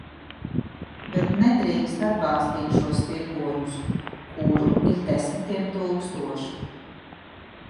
Bet nedrīkst atbalstīt šos tirgoņus, kuru ir desmitiem tūkstošu.